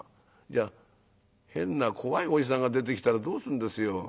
いや変な怖いおじさんが出てきたらどうするんですよ。